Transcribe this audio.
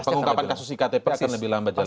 pengungkapan kasus iktp akan lebih lambat jelas